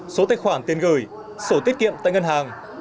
số tài khoản tiền gửi sổ tiết kiệm tại ngân hàng